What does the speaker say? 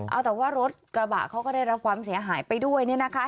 เอาแต่ว่ารถกระบะเขาก็ได้รับความเสียหายไปด้วยเนี่ยนะคะ